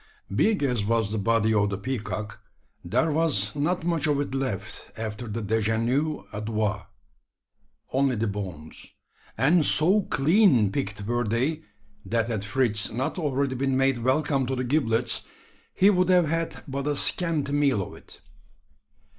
Big as was the body of the peacock, there was not much of it left after that dejeuner aux doigts! Only the bones; and so clean picked were they, that had Fritz not already been made welcome to the giblets, he would have had but a scanty meal of it.